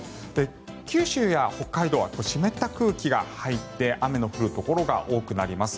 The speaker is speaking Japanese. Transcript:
九州や北海道は湿った空気が入って雨の降るところが多くなります。